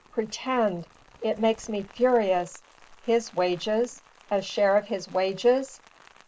Pretend! It makes me furious! His wages! a share of his wages!